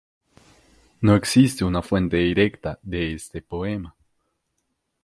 No existe una fuente directa de este poema.